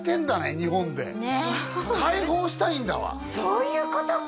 日本で解放したいんだわそういうことか！